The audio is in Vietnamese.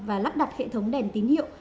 và lắp đặt hệ thống đèn tín hiệu